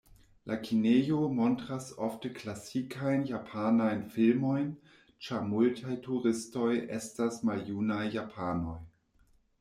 La kinejoj montras ofte klasikajn japanajn filmojn, ĉar multaj turistoj estas maljunaj japanoj.